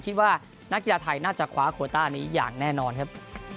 คิดว่านักกีฬาไทยน่าจะคว้าโคต้านี้อย่างแน่นอนครับ